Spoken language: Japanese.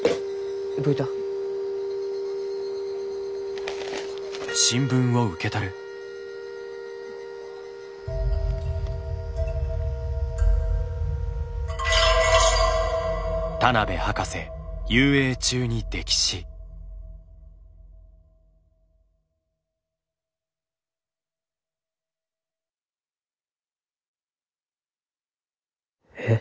どういた？えっ？